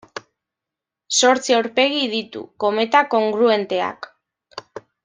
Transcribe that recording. Zortzi aurpegi ditu: kometa kongruenteak.